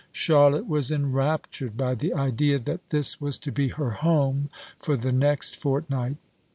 Charlotte was enraptured by the idea that this was to be her home for the next fortnight.